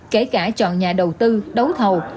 kể cả chọn nhà đầu tư đấu thầu